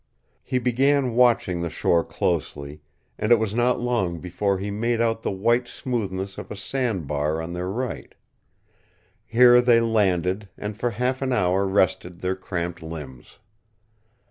He began watching the shore closely, and it was not long before he made out the white smoothness of a sandbar on their right. Here they landed and for half an hour rested their cramped limbs.